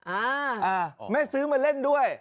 อ่าแม่ซื้อมาเล่นด้วย